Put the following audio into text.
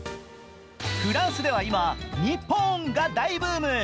フランスでは今、日本が大ブーム。